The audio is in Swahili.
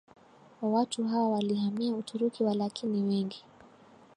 wa watu hawa walihamia Uturuki Walakini wengi